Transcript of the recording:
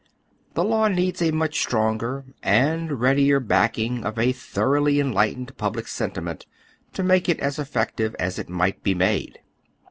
The law needs a much stronger and readier backing of a thoroughly enlightened public sentiment to make it as effective as it might he made.